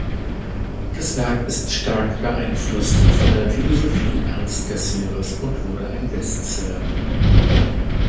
Das Werk ist stark beeinflusst von der Philosophie Ernst Cassirers und wurde ein Bestseller.